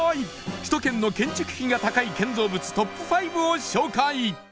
首都圏の建築費が高い建造物トップ５を紹介